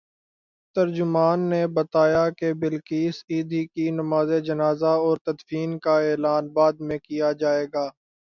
ترجمان نے بتایا کہ بلقیس ایدھی کی نمازجنازہ اورتدفین کا اعلان بعد میں کیا جائے گا۔